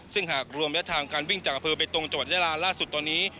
ซึ่งหากรวมระยะทางการวิ่งจากอำเภอเบตรงจังหวัดยาลาล่าสุดตอนนี้